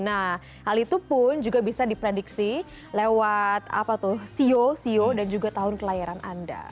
nah hal itu pun juga bisa diprediksi lewat siu siu dan juga tahun kelayaran anda